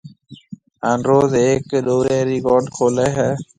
ھان روز ھيَََڪ ڏورَي رِي گھونٺ کولَي ھيََََ